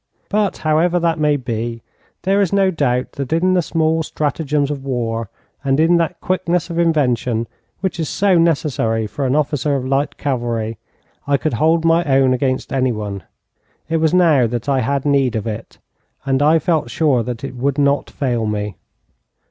But however that may be, there is no doubt that in the small stratagems of war, and in that quickness of invention which is so necessary for an officer of light cavalry, I could hold my own against anyone. It was now that I had need of it, and I felt sure that it would not fail me.